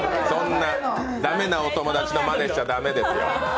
そんな駄目なお友達のまねしちゃ駄目ですよ。